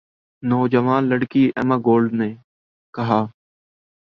نوجوان لڑکی Emma Gold نے کہا